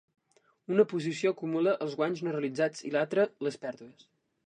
Una posició acumula els guanys no realitzats i l'altra les pèrdues.